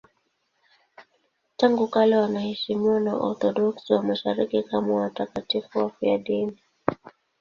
Tangu kale wanaheshimiwa na Waorthodoksi wa Mashariki kama watakatifu wafiadini.